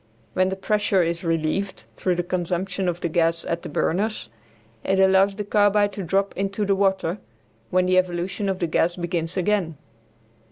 When the pressure is relieved through the consumption of the gas at the burners it allows the carbide to drop into the water, when the evolution of the gas begins again.